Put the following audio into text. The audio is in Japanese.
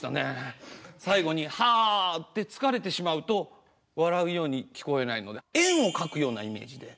最後に「はー」って疲れてしまうと笑うように聞こえないので円を描くようなイメージで。